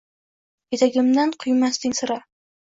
Etagimdan quymasding sira